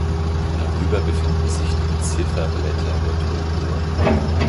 Darüber befinden sich die Zifferblätter der Turmuhr.